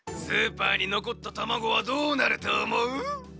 スーパーにのこったたまごはどうなるとおもう？